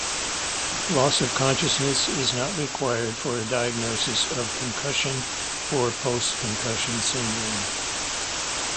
Loss of consciousness is not required for a diagnosis of concussion or post-concussion syndrome.